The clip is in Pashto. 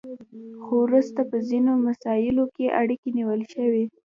خو وروسته په ځینو مساییلو کې اړیکې نیول شوي